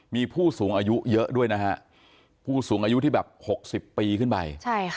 มีผู้สูงอายุเยอะด้วยนะฮะผู้สูงอายุที่แบบ๖๐ปีขึ้นไป